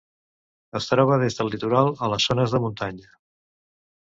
Es troba des del litoral a les zones de muntanya.